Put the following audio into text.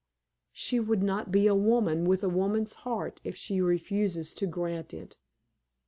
"She would not be a woman, with a woman's heart, if she refuses to grant it."